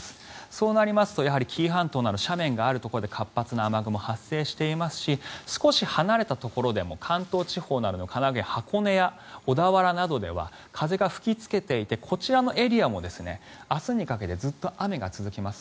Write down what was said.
そうなりますとやはり紀伊半島など斜面があるところで活発な雨雲、発生していますし少し離れたところでも関東地方などの箱根や小田原などでは風が吹きつけていてこちらのエリアも明日にかけてずっと雨が続きます。